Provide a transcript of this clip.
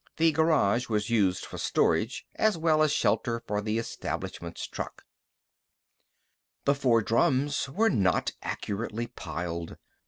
The garage was used for storage as well as shelter for the establishment's truck. The four drums were not accurately piled.